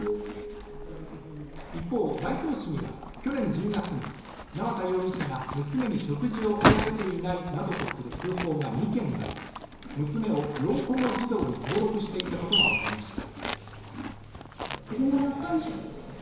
一方、大東市には、去年１０月に縄田容疑者が娘に食事を与えていないなどとする通報が２件もあり娘を要保護児童に登録していたことが分かりました。